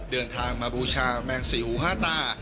เดินทางมาบูชาแมงสี่หูห้าตา